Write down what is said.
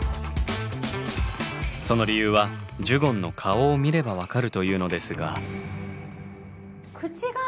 その理由はジュゴンの顔を見れば分かるというのですが。